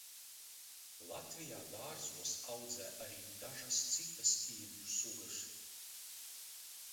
Latvijā dārzos audzē arī dažas citas īvju sugas.